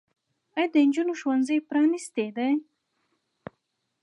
آیا د نجونو ښوونځي پرانیستي دي؟